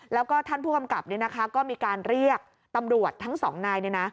แล้วก็ท่านผู้กำกลับเนี่ยนะคะก็มีการเรียกตำรวจทั้งสองนายเนี่ยนะ